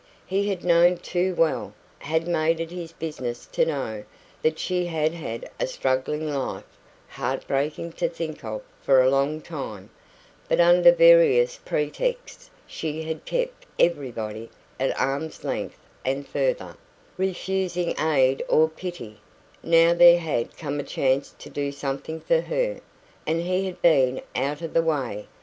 He had known too well had made it his business to know that she had had a struggling life, heart breaking to think of, for a long time, but under various pretexts she had kept "everybody" at arm's length and further, refusing aid or pity; now there had come a chance to do something for her, and he had been out of the way.